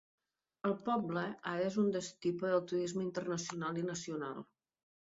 El poble ara és un destí per al turisme internacional i nacional.